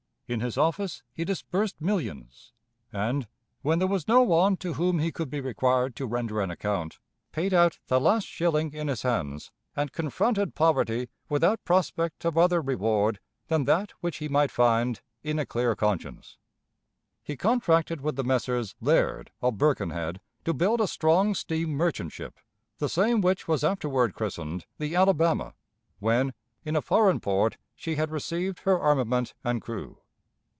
In his office he disbursed millions, and, when there was no one to whom he could be required to render an account, paid out the last shilling in his hands, and confronted poverty without prospect of other reward than that which he might find id a clear conscience. He contracted with the Messrs. Laird, of Birkenhead, to build a strong steam merchant ship the same which was afterward christened "The Alabama" when, in a foreign port, she had received her armament and crew.